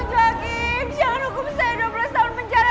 jangan menghukum saya dua belas tahun penjara